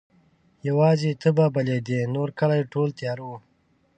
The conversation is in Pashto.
یواځي ته به بلېدې نورکلی ټول تیاره وو